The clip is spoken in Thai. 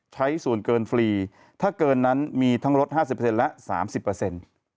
ใช้ส่วนเกินฟรีถ้าเกินนั้นมีทั้งลดห้าสิบและสามสิบเปอร์เซ็นต์